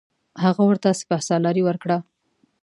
هغه ورته سپه سالاري ورکړه.